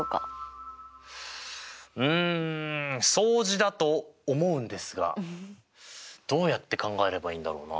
うん相似だと思うんですがどうやって考えればいいんだろうな。